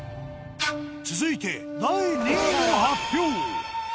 続いて第２位の発表。